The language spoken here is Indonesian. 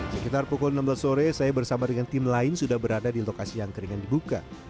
sekitar pukul enam belas sore saya bersama dengan tim lain sudah berada di lokasi yang keringan dibuka